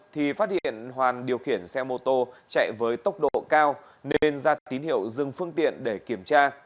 thì phát hiện hoàn điều khiển xe mô tô chạy với tốc độ cao nên ra tín hiệu dừng phương tiện để kiểm tra